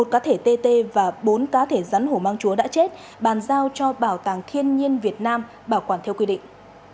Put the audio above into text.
một cá thể tt và bốn cá thể rắn hổ mang chúa đã chết bàn giao cho bảo tàng thiên nhiên việt nam bảo quản theo quy định